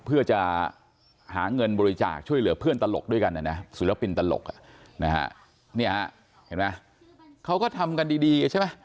เพื่อจะหาเงินบริจาคช่วยเหลือเพื่อนตลกด้วยกันนะนะศิลปินตลกนะฮะเห็นไหมเขาก็ทำกันดีใช่ไหม